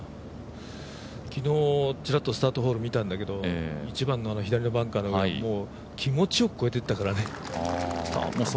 昨日、ちらっとスタートホール見たんだけど１番の左のバンカーは気持ちよく越えていったからね。